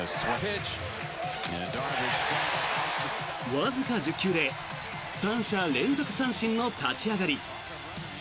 わずか１０球で３者連続三振の立ち上がり。